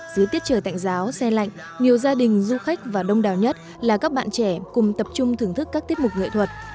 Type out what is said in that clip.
dưới tiết trời tạnh giáo xe lạnh nhiều gia đình du khách và đông đào nhất là các bạn trẻ cùng tập trung thưởng thức các tiết mục nghệ thuật